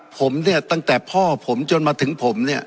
ผมเนี่ยตั้งแต่พ่อผมจนมาถึงผมเนี่ย